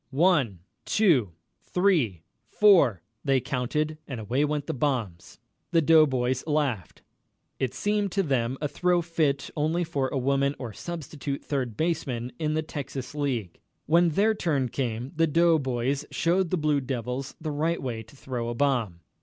"One two three four," they counted, and away went the bombs. The doughboys laughed. It seemed to them a throw fit only for a woman or a substitute third baseman in the Texas League. When their turn came, the doughboys showed the Blue Devils the right way to throw a bomb.